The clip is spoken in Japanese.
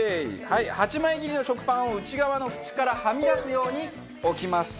はい８枚切りの食パンを内側の縁からはみ出すように置きます。